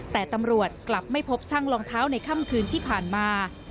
แต่ตำรวจกลับไม่พบช่างรองเท้าในค่ำคืนที่ผ่านมา